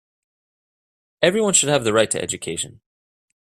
Everyone should have the right to education.